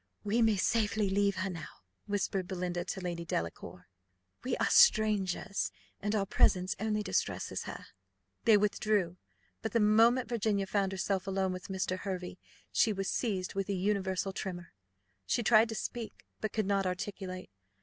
"We may safely leave her now," whispered Belinda to Lady Delacour; "we are strangers, and our presence only distresses her." They withdrew. But the moment Virginia found herself alone with Mr. Hervey, she was seized with a universal tremor; she tried to speak, but could not articulate.